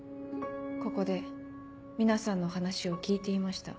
ここで皆さんの話を聞いていました。